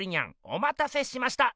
おまたせしました！